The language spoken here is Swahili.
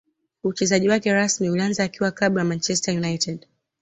Uchezaji wake rasmi ulianza akiwa na klabu ya Manchester united